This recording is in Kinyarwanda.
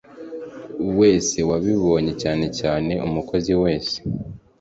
wese wabibonye cyane cyane umukozi wese